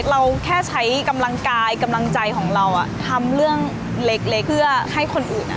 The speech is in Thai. เราแค่ใช้กำลังกายกำลังใจของเราทำเรื่องเล็กเพื่อให้คนอื่น